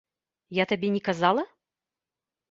Я табе не казала?